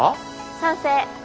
賛成。